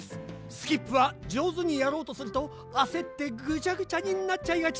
スキップはじょうずにやろうとするとあせってぐちゃぐちゃになっちゃいがち！